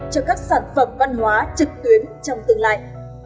cho các sản phẩm văn hóa trực tuyến trong tương lai